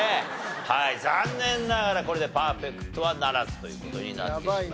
はい残念ながらこれでパーフェクトはならずという事になってしまいました。